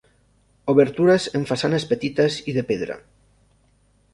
Obertures en façana petites i de pedra.